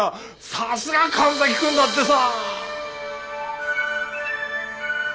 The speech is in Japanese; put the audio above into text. さすが神崎君だってさ。